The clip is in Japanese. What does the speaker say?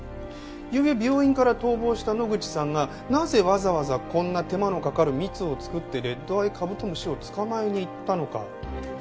ゆうべ病院から逃亡した野口さんがなぜわざわざこんな手間のかかる蜜を作ってレッドアイカブトムシを捕まえに行ったのか。